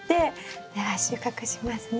では収穫しますね。